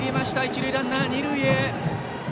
一塁ランナー、二塁へ。